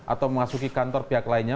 atau memasuki kantor pihak lainnya